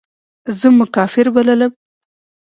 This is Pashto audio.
زه مو کافر بللم.